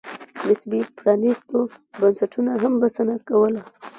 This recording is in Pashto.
نسبي پرانېستو بنسټونو هم بسنه کوله.